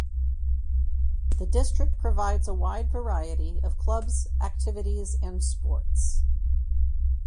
The district provides a wide variety of clubs activities and sports.